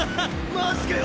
マジかよ。